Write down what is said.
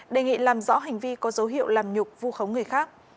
đề nghị làm rõ hành vi có dấu hiệu làm nhục vu khống người khác